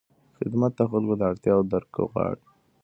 خدمت د خلکو د اړتیاوو درک غواړي.